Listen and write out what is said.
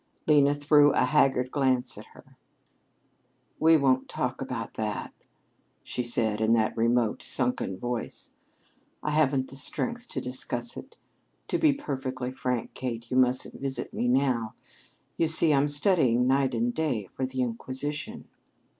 Lena threw a haggard glance at her. "We won't talk about that," she said in that remote, sunken voice. "I haven't the strength to discuss it. To be perfectly frank, Kate, you mustn't visit me now. You see, I'm studying night and day for the inquisition."